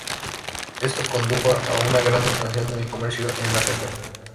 Esto condujo a una gran expansión del comercio en la región.